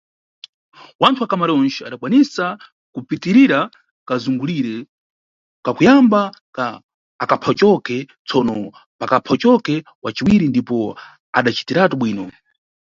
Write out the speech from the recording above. Wanthu wa kuCamarões adakwanisa kupitirira kazungulire kakuyamba ka akaphawucoke, tsono pakaphawucoke wa ciwiri ndipo adacitiratu bwino.